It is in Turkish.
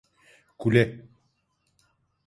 Kule…